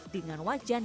dengan wajan yang penuh